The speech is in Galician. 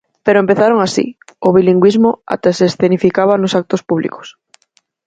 Pero empezaron así, o bilingüismo ata se escenificaba nos actos públicos.